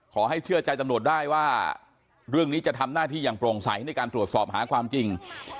เชื่อใจตำรวจได้ว่าเรื่องนี้จะทำหน้าที่อย่างโปร่งใสในการตรวจสอบหาความจริง